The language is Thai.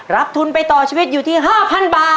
ทุนไปต่อชีวิตอยู่ที่๕๐๐บาท